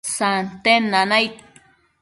santen sanaid